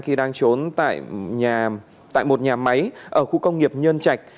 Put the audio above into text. khi đang trốn tại một nhà máy ở khu công nghiệp nhân trạch